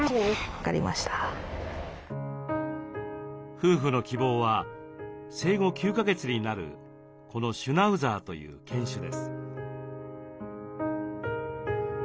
夫婦の希望は生後９か月になるこのシュナウザーという犬種です。